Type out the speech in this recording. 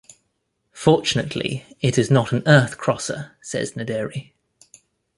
"Fortunately, it is not an Earth crosser," says Naderi.